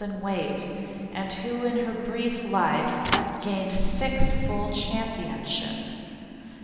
in weight, and who in her brief life gained six full championships.